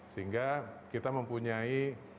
sehingga kita mempunyai